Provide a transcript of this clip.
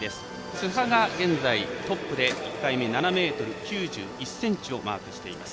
津波が現在トップ、１回目７ｍ９１ｃｍをマークしています。